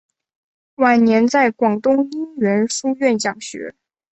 晚年在广东应元书院讲学。